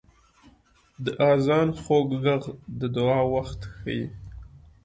• د آذان خوږ ږغ د دعا وخت ښيي.